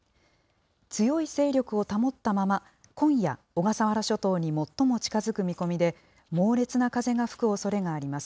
強い勢力を保ったまま、今夜小笠原諸島に最も近づく見込みで、猛烈な風が吹くおそれがあります。